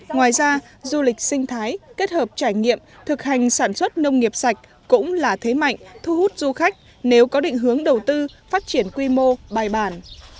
ngoài ra du lịch sinh thái kết hợp trải nghiệm thực hành sản xuất nông nghiệp sạch cũng là thế mạnh thu hút du khách nếu có định hướng đầu tư phát triển quy mô bài bản